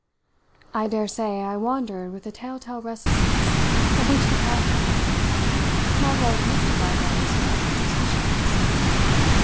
I daresay I wandered with a tell tale restlessness of which the practical detachment might well have mystified those who hadn't suspicions.